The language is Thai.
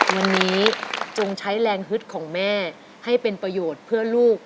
วันนี้จงใช้แรงฮึดของแม่ให้เป็นประโยชน์เพื่อลูก